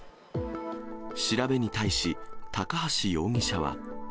調べに対し、高橋容疑者は。